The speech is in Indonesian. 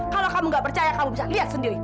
kalau kamu nggak percaya kamu bisa lihat sendiri